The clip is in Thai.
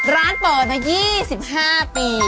ร้านเปิดมา๒๕ปี